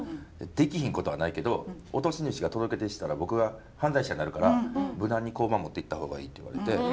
できひんことはないけど落とし主が届け出したら僕が犯罪者になるから無難に交番に持っていった方がいいって言われて。